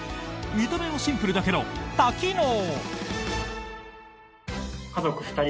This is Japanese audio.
見た目はシンプルだけど多機能。